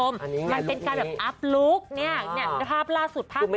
มันเป็นการแบบอัพลุคเนี่ยภาพล่าสุดภาพนี้